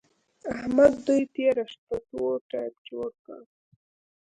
احمد دوی تېره شپه تور تيپ جوړ کړ.